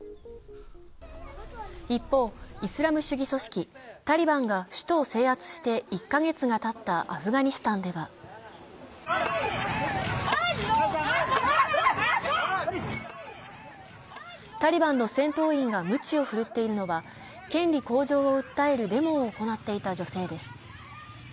一方、イスラム主義組織タリバンが首都を制圧して１カ月がたったアフガニスタンではタリバンの戦闘員がむちを振るっているのは、権利向上を訴えるデモを行っていた女性です。